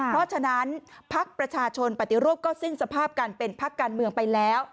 เพราะฉะนั้นพักประชาชนปฏิรูปก็สิ้นสภาพการเป็นพักการเมืองไปแล้ว